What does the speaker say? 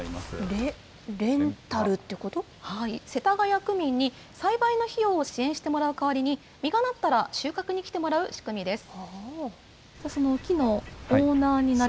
世田谷区民に栽培の費用を支援してもらう代わりに、実がなったら、収穫に来てもらう仕組みです。